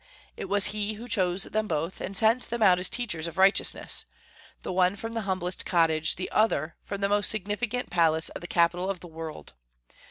It was He who chose them both, and sent them out as teachers of righteousness, the one from the humblest cottage, the other from the most magnificent palace of the capital of the world.